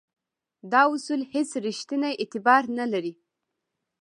دا اصول هیڅ ریښتینی اعتبار نه لري.